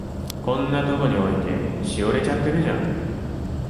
こんなとこに置いて、しおれちゃってるじゃん。